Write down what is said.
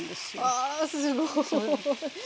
わあすごい。